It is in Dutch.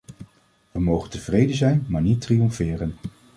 We mogen tevreden zijn maar niet triomferen.